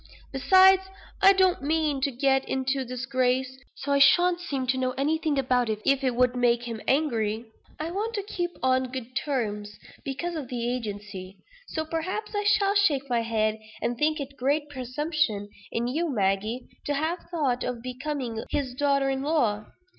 Besides, I don't mean to get into disgrace; so I shan't seem to know anything about it, if it would make him angry. I want to keep on good terms, because of the agency. So, perhaps, I shall shake my head, and think it great presumption in you, Maggie, to have thought of becoming his daughter in law.